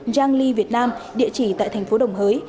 giang ly việt nam địa chỉ tại thành phố đồng hới